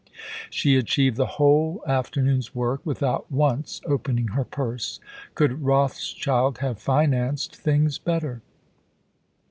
She achieved the whole afternoon's work without once opening her purse. Could Rothschild have financed things better?